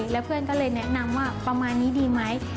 แล้วเพื่อนก็เลยแนะนำว่าประมาณนี้ดีไหม